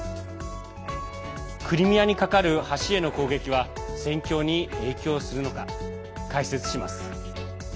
クリミアに架かる橋への攻撃は戦況に影響するのか解説します。